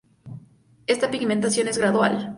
Esta pigmentación es gradual.